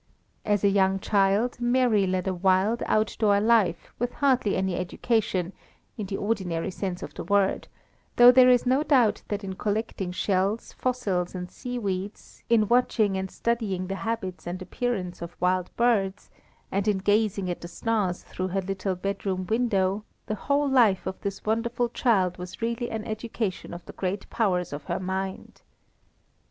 As a young child, Mary led a wild, outdoor life, with hardly any education, in the ordinary sense of the word, though there is no doubt that in collecting shells, fossils, and seaweeds, in watching and studying the habits and appearance of wild birds, and in gazing at the stars through her little bedroom window, the whole life of this wonderful child was really an education of the great powers of her mind.